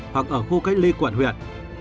hoặc ở khu cách ly quận huyện